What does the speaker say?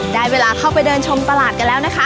ได้เวลาเข้าไปเดินชมตลาดกันแล้วนะคะ